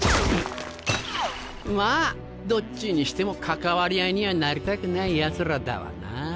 まぁどっちにしても関わり合いにはなりたくないヤツらだわな。